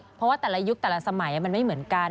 เพราะว่าแต่ละยุคแต่ละสมัยมันไม่เหมือนกัน